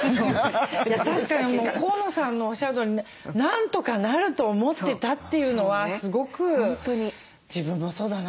確かに河野さんのおっしゃるとおりね何とかなると思ってたっていうのはすごく自分もそうだなと思いました。